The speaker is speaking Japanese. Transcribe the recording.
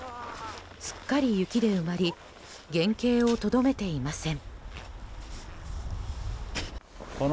すっかり雪で埋まり原形をとどめていません。